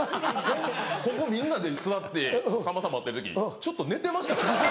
ここみんなで座ってさんまさん待ってる時にちょっと寝てましたから。